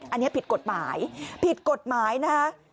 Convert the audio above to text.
อันนี้ผิดกฎหมายผิดกฎหมายนะคะ